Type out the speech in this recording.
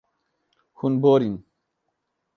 Hûn borîn.